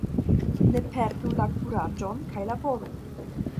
Ne perdu la kuraĝon kaj laboru!